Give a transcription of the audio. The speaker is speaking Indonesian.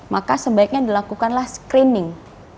maka sebaiknya dilakukanlah screening